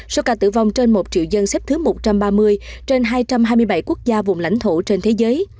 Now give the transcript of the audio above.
số ca tử vong trên một triệu dân xếp thứ một trăm ba mươi trên hai trăm hai mươi bảy quốc gia vùng lãnh thổ trên thế giới